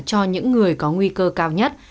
cho những người có nguy cơ cao nhất